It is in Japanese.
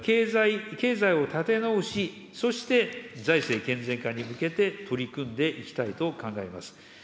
経済を立て直し、そして、財政健全化に向けて取り組んでいきたいと考えます。